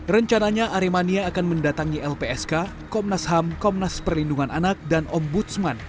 rencananya aremania akan mendatangi lpsk komnas ham komnas perlindungan anak dan ombudsman